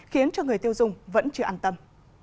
khiến cho người tiêu dùng vẫn chưa an tâm